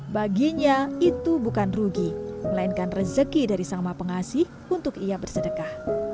baginya itu bukan rugi melainkan rezeki dari sang ma pengasih untuk ia bersedekah